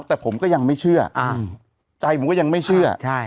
แต่ผมก็ยังไม่เชื่อใจผมก็ยังไม่เชื่อ